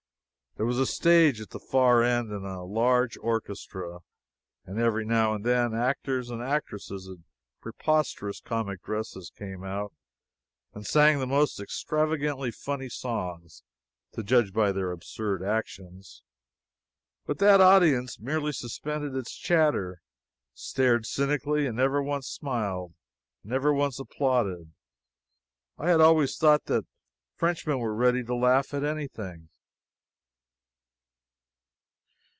There was a stage at the far end and a large orchestra; and every now and then actors and actresses in preposterous comic dresses came out and sang the most extravagantly funny songs, to judge by their absurd actions; but that audience merely suspended its chatter, stared cynically, and never once smiled, never once applauded! I had always thought that Frenchmen were ready to laugh at any thing.